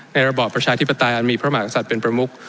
ระบอบประชาธิปไตยอันมีพระมหากษัตริย์เป็นประมุก